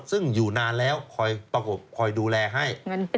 ซึ่งอยู่นานแล้วคอยประกบคอยดูแลให้